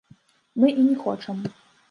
Мы і не хочам.